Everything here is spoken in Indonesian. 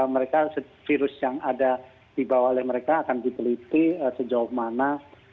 mereka virus yang ada di bawah mereka akan dipeliti sejauh mana